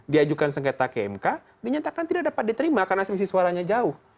diajukan sengketa ke mk dinyatakan tidak dapat diterima karena selisih suaranya jauh